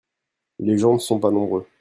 Les gens ne sont pas nombreux.